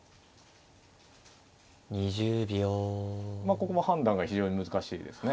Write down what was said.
ここも判断が非常に難しいですね。